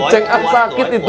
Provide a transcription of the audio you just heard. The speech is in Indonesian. ceng aku sakit itu